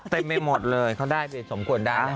ไปหมดเลยเขาได้ไปสมควรได้